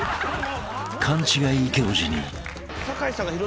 ［勘違いイケおじに］